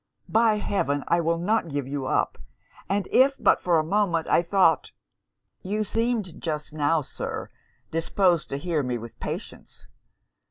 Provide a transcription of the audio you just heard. By heaven I will not give you up! and if but for a moment I thought .' 'You seemed just now, Sir, disposed to hear me with patience.